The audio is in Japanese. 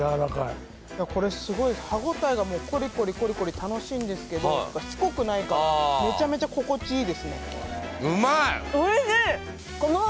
これすごい歯応えがもうコリコリコリコリ楽しいんですけどしつこくないからめちゃめちゃ心地いいですねおいしい！